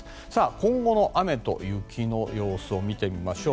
今後の雨と雪の様子を見てみましょう。